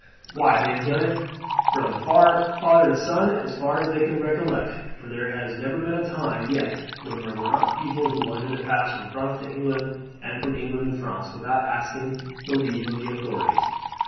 Why they have done it from father to son as far as they can recollect, for there has never been a time yet when there were not people who wanted to pass from France to England and from England to France without asking the leave of the authorities.